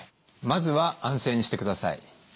まずは安静にしてください。